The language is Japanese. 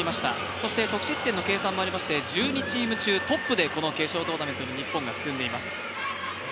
そして得失点の計算もありまして１２チーム中、トップで決勝トーナメントに日本が進んでいます。